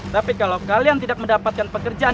tapi kalau kalian tidak mendapatkan pekerjaan